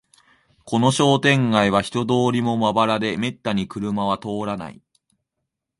この商店街は人通りもまばらで、めったに車は通らない